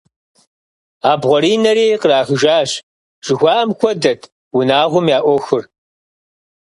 «Абгъуэрынэри кърахыжащ» жыхуаӀэм хуэдэт унагъуэм я Ӏуэхур.